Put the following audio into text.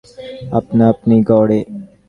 আমার মতে সমাজ সকল দেশেই আপনা-আপনি গড়ে।